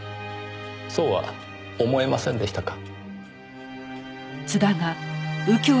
そうは思えませんでしたか？